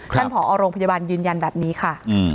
ท่านผออพยาบาลยืนยันแบบนี้ค่ะ